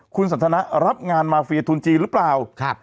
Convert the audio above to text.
คุณสันทนะรับงานมาเฟียทุนจีนหรือเปล่า